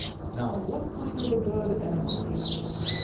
Now what kind of a bird am I?